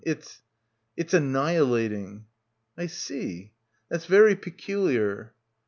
It's — it's — annihilating." "I see; that's very peculiar."